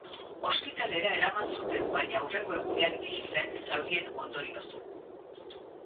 Ospitalera eraman zuten baina hurrengo egunean hil zen zaurien ondorioz.